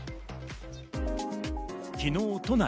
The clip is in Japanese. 昨日、都内。